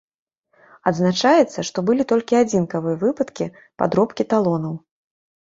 Адзначаецца, што былі толькі адзінкавыя выпадкі падробкі талонаў.